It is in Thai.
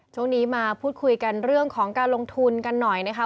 ช่วงนี้มาพูดคุยกันเรื่องของการลงทุนกันหน่อยนะคะ